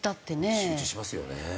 集中しますよね。